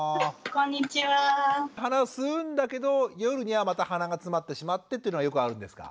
鼻吸うんだけど夜にはまた鼻がつまってしまってというのはよくあるんですか？